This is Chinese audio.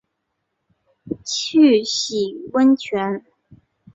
去洗温泉